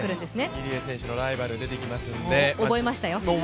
入江選手のライバル出てくるので。